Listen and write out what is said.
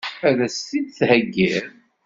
Ad as-t-id-theggiḍ?